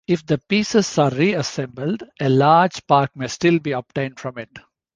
If the pieces are re-assembled, a large spark may still be obtained from it.